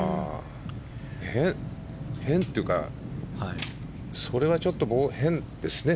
変というかそれはちょっと変ですね。